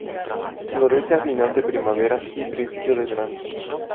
Florece a final de primavera y principio de verano.